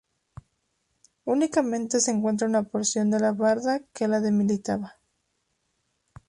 Únicamente se encuentra una porción de la barda que la delimitaba.